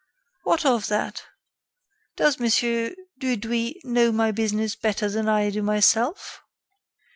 "What of that? Does Mon. Dudouis know my business better than I do myself?